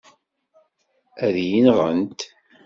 Ad iyi-nɣent!